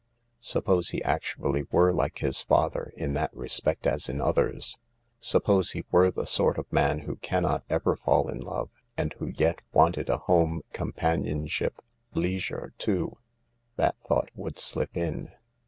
Suppose he actually were like bis father, in that respect as ln others ? Suppose he were the sort of ma^ who cannot ever fall in love, and who yet wanted a ioTe companionship leisure too (that thought would shp in)